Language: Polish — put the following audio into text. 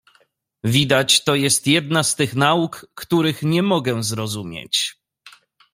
"Widać to jest jedna z tych nauk, których nie mogę zrozumieć."